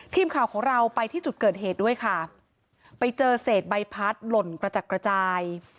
ทีมข่าวของเราไปที่จุดเกิดเหตุด้วยค่ะไปเจอเศษใบพัดหล่นกระจัดกระจาย